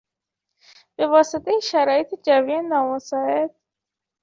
به واسطهی شرایط جوی نامساعد...